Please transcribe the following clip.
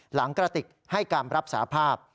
กระติกให้การรับสาภาพ